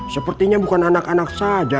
sepertinya bukan anak anak saja